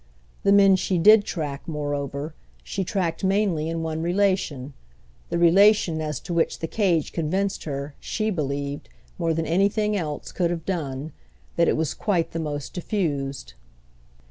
The men she did track, moreover, she tracked mainly in one relation, the relation as to which the cage convinced her, she believed, more than anything else could have done, that it was quite the most diffused.